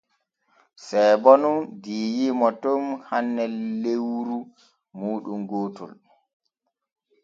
Seebo nun diiyiimo ton hanne lewru muuɗum gootol.